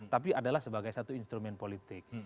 tapi adalah sebagai satu instrumen politik